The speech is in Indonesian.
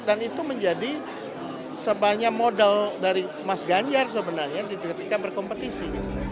dan itu menjadi sebanyak modal dari mas ganjar sebenarnya di ketika berkompetisi